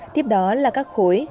tiếp đó là các khối